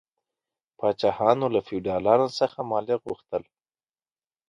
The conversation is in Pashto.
پاچاهانو له فیوډالانو څخه مالیه غوښتل.